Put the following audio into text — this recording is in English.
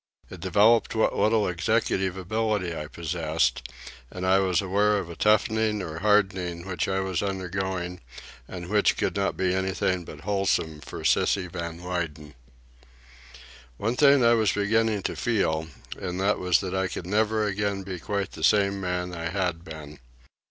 It developed what little executive ability I possessed, and I was aware of a toughening or hardening which I was undergoing and which could not be anything but wholesome for "Sissy" Van Weyden. One thing I was beginning to feel, and that was that I could never again be quite the same man I had been.